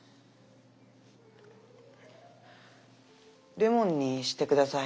レモンにしてください。